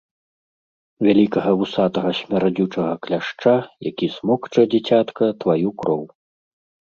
Вялікага вусатага смярдзючага кляшча, які смокча, дзіцятка, тваю кроў.